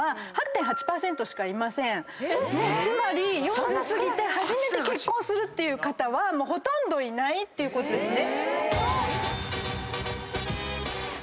つまり４０過ぎて初めて結婚するっていう方はほとんどいないってことですね。